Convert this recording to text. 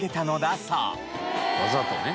わざとね。